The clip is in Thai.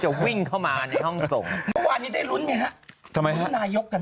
จะวิ่งเข้ามาในห้องส่งวันนี้ได้ลุ้นไงฮะทำไมฮะนายก